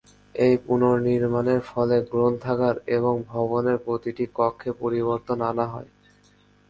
এই পুনর্নিমাণের ফলে গ্রন্থাগার এবং ভবনের প্রতিটি কক্ষে পরিবর্তন আনা হয়।